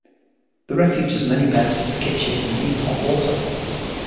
The refuge has many beds, a kitchen, and even hot water.